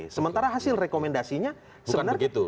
sementara hasil rekomendasinya sebenarnya bukan begitu